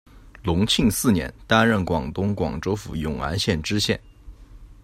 隆庆四年，担任广东广州府永安县知县。